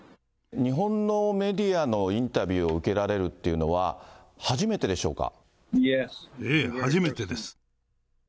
日本のメディアのインタビューを受けられるっていうのは、初ええ、初めてです。